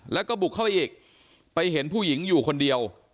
แล้วก็บุกเข้าไปอีกไปเห็นผู้หญิงอยู่คนเดียว